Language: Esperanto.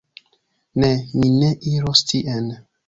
Ne, mi ne iros tien.